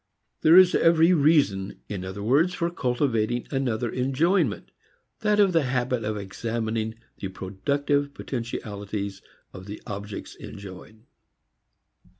There is every reason in other words for cultivating another enjoyment, that of the habit of examining the productive potentialities of the objects enjoyed.